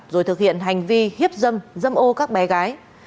rồi thực hiện hành vi hiếp dâm dâm ô các bé gái